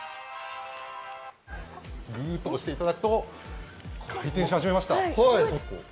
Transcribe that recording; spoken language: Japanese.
グっと押していただくと、回転し始めました！